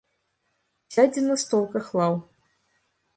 Сядзе на столках лаў.